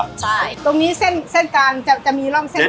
มันมีองศาด้วยใช่ไหมคะเจ๊